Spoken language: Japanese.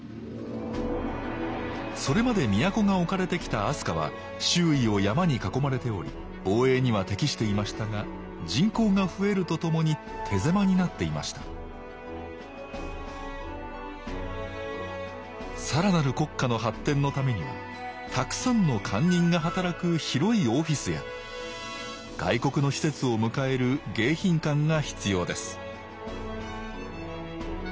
それまで都が置かれてきた飛鳥は周囲を山に囲まれており防衛には適していましたが人口が増えるとともに手狭になっていました更なる国家の発展のためにはたくさんの官人が働く広いオフィスや外国の使節を迎える迎賓館が必要です